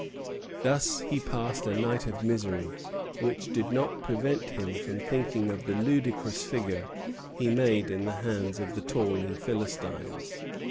Thus he passed a night of misery, which did not prevent him from thinking of the ludicrous figure he made in the hands of the tawny Philistines.